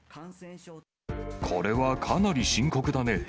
これはかなり深刻だね。